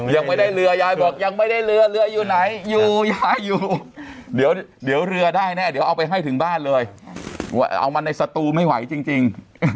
ยังไม่ได้เรือยายบอกยังไม่ได้เรือเรืออยู่ไหนอยู่ยายอยู่เดี๋ยวเรือได้แน่เดี๋ยวเอาไปให้ถึงบ้านเลยเอามาในสตูไม่ไหวจริง